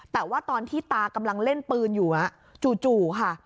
แต่ว่าตอนที่ตากำลังเล่นปืนอยู่จู่ค่ะ